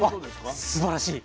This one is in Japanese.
あすばらしい。